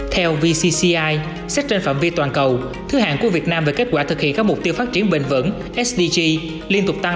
theo vcci xét trên phạm vi toàn cầu thứ hạng của việt nam về kết quả thực hiện các mục tiêu phát triển bền vững sdg liên tục tăng